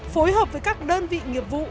phối hợp với các đơn vị nghiệp vụ